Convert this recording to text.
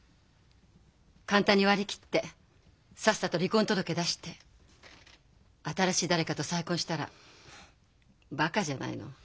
簡単に割り切ってさっさと離婚届出して新しい誰かと再婚したらバカじゃないの。